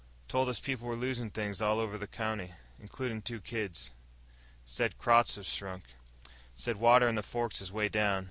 "Told us people was losin' things all over the county includin' two kids. Said crops has shrunk. Said water in the forks is way down." "He's right."